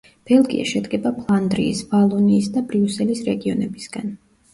ბელგია შედგება ფლანდრიის, ვალონიის და ბრიუსელის რეგიონებისგან.